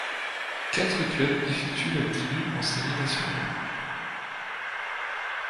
Quatre clubs effectuent leurs débuts en séries nationales.